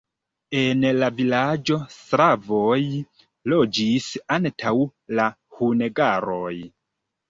En la vilaĝo slavoj loĝis antaŭ la hungaroj.